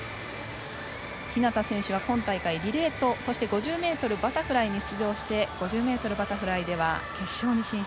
日向選手は今大会リレーと５０ｍバタフライに出場して５０ｍバタフライでは決勝に進出。